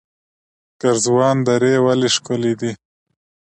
ګرزوان درې ولې ښکلې دي؟